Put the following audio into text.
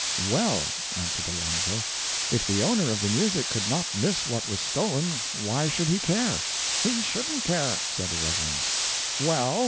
"Well," answered Alonzo, "if the owner of the music could not miss what was stolen, why should he care?" "He shouldn't care," said the Reverend. "Well?"